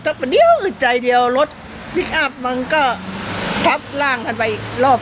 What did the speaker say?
คนเดียวอึดใจเดียวรถพลิกอัพมันก็ทับร่างกันไปอีกรอบ